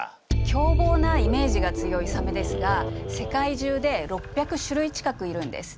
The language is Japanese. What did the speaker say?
凶暴なイメージが強いサメですが世界中で６００種類近くいるんです。